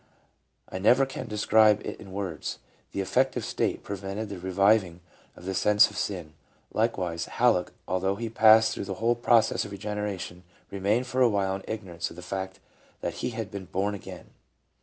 I never can describe it in words." The affective state prevented the re viving of the sense of sin. Likewise Hallock, although he had passed through the whole process of regeneration, re mained for a while in ignorance of the fact that he had been " born again."